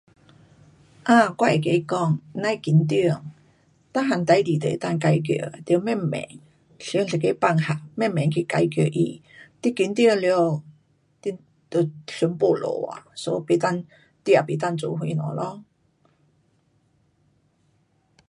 啊，我会跟他讲，甭紧张，每样事情都能够解决的，得慢慢想一个办法慢慢去解决它。你紧张了，你就想没路啊。so 不能，你也不能做什么咯。